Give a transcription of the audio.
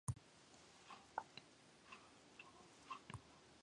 "See Virginia and Virginia Colony, above"